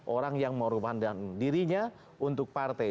orang yang mengorbankan dirinya untuk partai